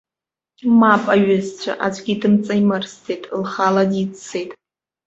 Мап, аҩызцәа, аӡәгьы дымҵаимырсӡеит, лхала диццеит.